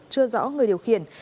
chưa rõ người điều khiển